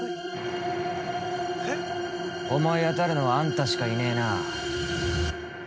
思い当たるのはあんたしかいねえな。